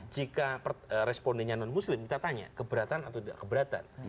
jika respondennya non muslim kita tanya keberatan atau tidak keberatan